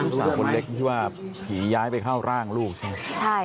ลูกสาวคนเล็กที่ว่าผีย้ายไปเข้าร่างลูกใช่ไหม